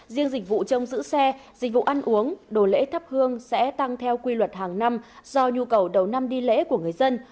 dịch vụ ăn uống đồ lễ thắp hương sẽ tăng theo quy luật hàng năm do nhu cầu đầu năm đi lễ của người dân